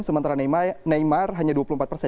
sementara neymar hanya dua puluh empat persen